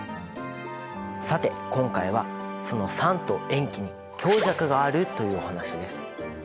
さて今回はその酸と塩基に強弱があるというお話です。